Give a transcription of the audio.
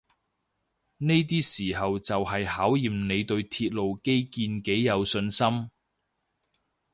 呢啲時候就係考驗你對鐵路基建幾有信心